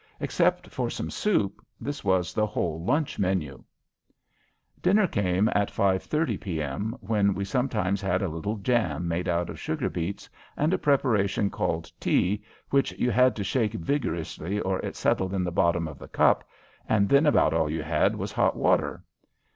Except for some soup, this was the whole lunch menu. Dinner came at 5.30 P.M., when we sometimes had a little jam made out of sugar beets, and a preparation called tea which you had to shake vigorously or it settled in the bottom of the cup and then about all you had was hot water.